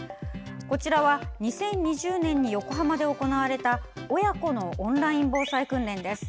こちらは２０２０年に横浜で行われた親子のオンライン防災訓練です。